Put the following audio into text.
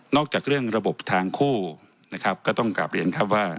จากเรื่องระบบทางคู่นะครับก็ต้องกลับเรียนครับว่า